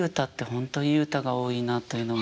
本当いい歌が多いなというのが。